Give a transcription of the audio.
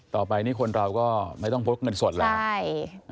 ต่อไปนี่คนเราก็ไม่ต้องพกเงินสดแล้ว